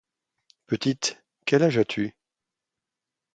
Petite, quel âge as-tu?